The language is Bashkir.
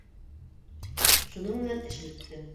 Шуның менән эш бөттө.